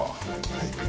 はい。